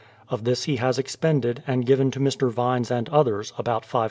Of this he has expended, and given to Mr. Vines and others, about £543.